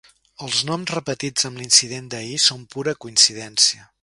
Els noms repetits amb l'incident d'ahir són pura coincidència.